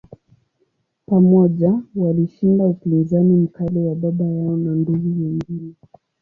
Pamoja, walishinda upinzani mkali wa baba yao na ndugu wengine.